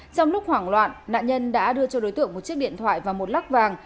trong lúc hoảng loạn nạn nhân đã đưa cho đối tượng một chiếc điện thoại và một lắc vàng